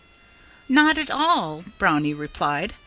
"Not at all!" Brownie replied.